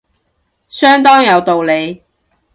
相當有道理